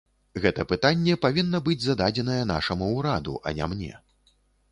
Гэта пытанне павінна быць зададзенае нашаму ўраду, а не мне.